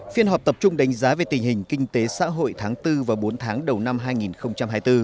phiên họp tập trung đánh giá về tình hình kinh tế xã hội tháng bốn và bốn tháng đầu năm hai nghìn hai mươi bốn